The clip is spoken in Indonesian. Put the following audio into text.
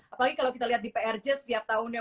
apalagi kalo kita liat di prj setiap tahunnya